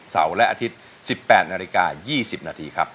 เสาร์และอาทิตย์๑๘นาฬิกา๒๐นาทีครับ